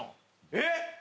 えっ？